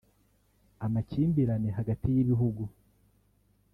Amakimbirane hagati y’ibihugu